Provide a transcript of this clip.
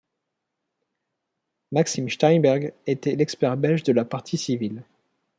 Maxime Steinberg était l'expert belge de la partie civile.